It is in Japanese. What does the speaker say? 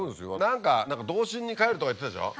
何か童心に返るとか言ってたでしょ。